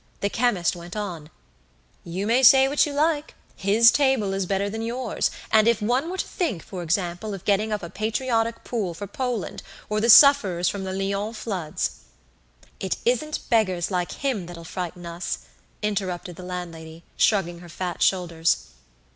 The chemist went on "You may say what you like; his table is better than yours; and if one were to think, for example, of getting up a patriotic pool for Poland or the sufferers from the Lyons floods " "It isn't beggars like him that'll frighten us," interrupted the landlady, shrugging her fat shoulders.